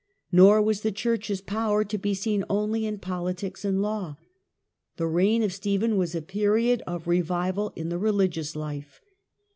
Nor was the church's power to be seen only in politics and law. The reign of Stephen was a period of revival in the religious life.